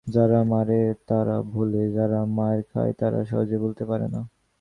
যারা মারে তারা ভোলে, যারা মার খায় তারা সহজে ভুলতে পারে না।